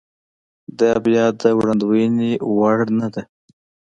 دا بیا د وړاندوېنې وړ نه ده.